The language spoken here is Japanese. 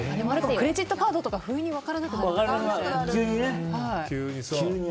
クレジットカードとかも不意に分からなくなりますよね。